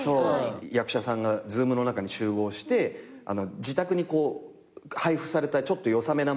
役者さんがＺｏｏｍの中に集合して自宅に配布されたちょっと良さめな